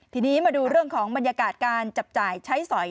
ทีนี้มาดูเรื่องของบรรยากาศการจับจ่ายใช้สอย